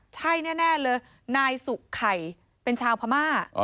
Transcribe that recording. ใช่แน่เลยนายสุไข่เป็นชาวพม่า